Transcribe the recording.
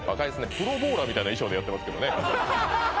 プロボウラーみたいな衣装でやってますけどね